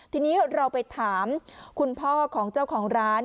ทีนี้เราไปถามคุณพ่อของเจ้าของร้าน